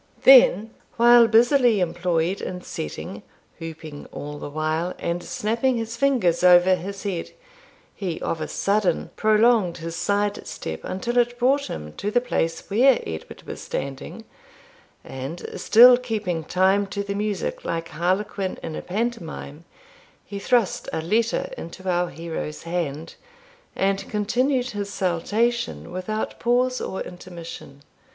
Then, while busily employed in setting, whooping all the while, and snapping his fingers over his head, he of a sudden prolonged his side step until it brought him to the place where Edward was standing, and, still keeping time to the music like Harlequin in a pantomime, he thrust a letter into our hero's hand, and continued his saltation without pause or intermission.